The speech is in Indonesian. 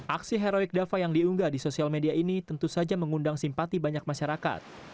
aksi heroik dava yang diunggah di sosial media ini tentu saja mengundang simpati banyak masyarakat